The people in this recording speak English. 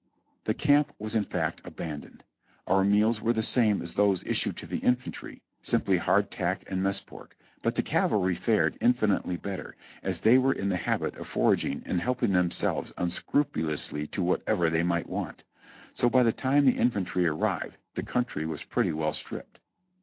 The camp was in fact abandoned. Our meals were the same as those issued to the infantry, simply hardtack and mess pork ; but the cavalry fared infinitely better, as they were in the habit of for aging and helping themselves unscrupulously to whatever they might want. So by the time the infantry arrived the country was pretty well stripped.